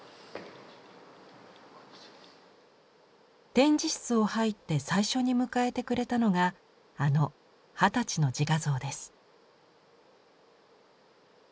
展示室を入って最初に迎えてくれたのがあの二十歳の自画像です。